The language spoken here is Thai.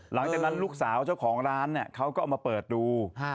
หลังจากนั้นลูกสาวเจ้าของร้านเขาก็เอามาเปิดดู